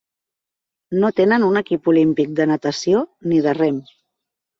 No tenen un equip olímpic de natació ni de rem.